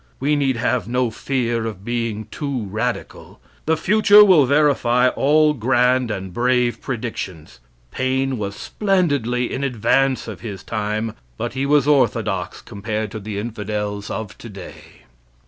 We need have no fear of being too radical. The future will verify all grand and brave predictions. Paine was splendidly in advance of his time, but he was orthodox compared to the infidels of today.